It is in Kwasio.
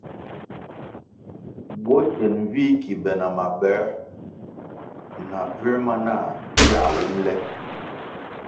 Bwo kyen vih ki be na maboē na puer ma nah viah wumʼle.